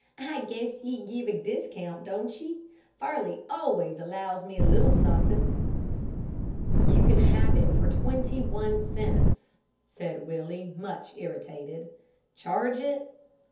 "I guess ye give a discount, don't ye? Farley always allows me a little suthin'." "You can have it for twenty one cents," said Willie, much irritated. "Charge it?"